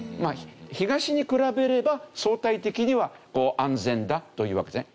東に比べれば相対的には安全だというわけですね。